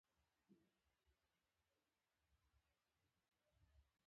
د وینې د فشار لوړوالی د زړۀ ستونزې نښه ده.